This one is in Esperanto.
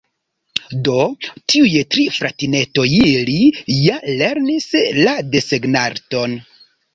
"Do, tiuj tri fratinetojili ja lernis la desegnarton"